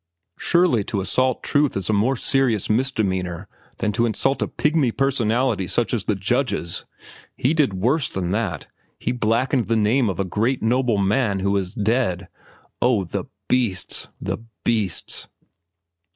"Surely to assault truth is a more serious misdemeanor than to insult a pygmy personality such as the judge's. He did worse than that. He blackened the name of a great, noble man who is dead. Oh, the beasts! The beasts!"